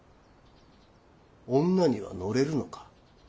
女には乗れるのか？